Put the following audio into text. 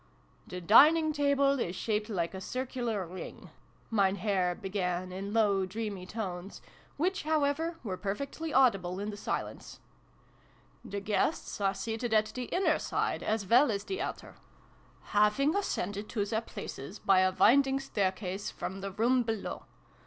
" The dining table is shaped like a circular ring," Mein Herr began, in low dreamy tones, which, however, were perfectly audible in the silence. " The guests are seated at the inner side as well as the outer, having ascended to 144 SYLVIE AND BRUNO CONCLUDED. their places by a winding staircase, from the room below.